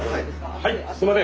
はいすいません。